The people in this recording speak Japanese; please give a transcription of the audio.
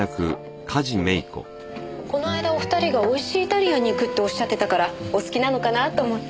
この間お二人が美味しいイタリアンに行くっておっしゃってたからお好きなのかなと思って。